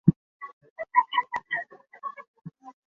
Mba'upe añápa reju